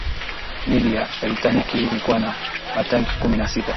meli ya taitanic ilikuwa na matanki kumi na sita